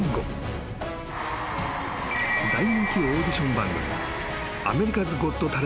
［大人気オーディション番組］